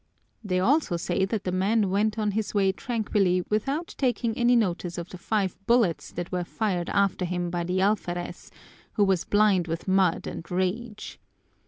They also say that the man went on his way tranquilly without taking any notice of the five bullets that were fired after him by the alferez, who was blind with mud and rage.